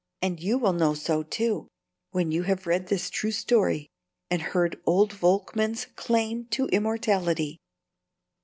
And you will know so, too, when you have read this true story and heard old Volkmann's claim to immortality.